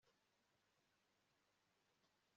nta kibazo?' yatakambiye cindy .'ntushobora kubona